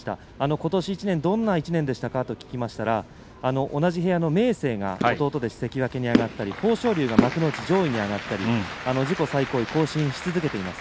ことし１年どんな１年でしたかと聞くと同じ部屋の明生が関脇に上がった豊昇龍が幕内上位に上がったり自己最高位を更新し続けています。